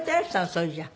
それじゃあ。